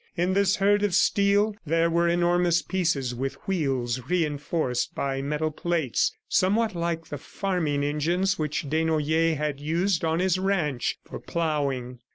In this herd of steel, there were enormous pieces with wheels reinforced by metal plates, somewhat like the farming engines which Desnoyers had used on his ranch for plowing.